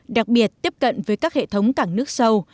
đặc biệt tiếp cận với các hệ thống cảng nước sâu